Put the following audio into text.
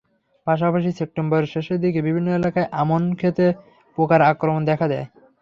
পাশাপাশি সেপ্টেম্বরের শেষের দিকে বিভিন্ন এলাকায় আমন খেতে পোকার আক্রমণ দেখা দেয়।